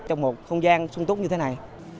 trong một không gian sung túc như thế này